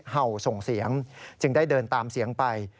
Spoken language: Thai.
เห่าส่งเสียงจึงได้เดินตามเสียงไป